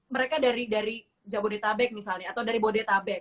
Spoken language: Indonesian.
mereka dari jabodetabek misalnya atau dari bodetabek